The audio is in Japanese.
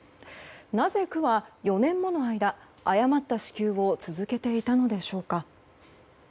なぜ区は４年もの間誤った支給を続けていたのでしょうか。